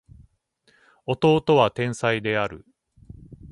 弟は天才である